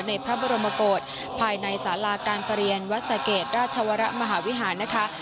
ในพระบรมกฏภายในสาราการประเรียนวัดสะเกดราชวรมหาวิหารนะคะ